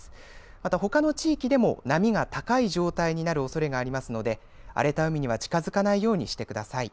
また、ほかの地域でも波が高い状態になるおそれがありますので荒れた海には近づかないようにしてください。